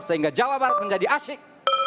sehingga jawa barat menjadi asyik